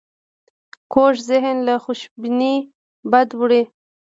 کوږ ذهن له خوشبینۍ بد وړي